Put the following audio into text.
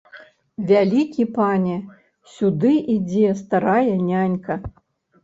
Вялікі пане, сюды ідзе старая нянька!